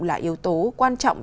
là yếu tố quan trọng